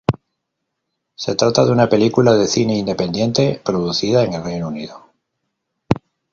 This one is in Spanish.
Se trata de una película de cine independiente producida en el Reino Unido.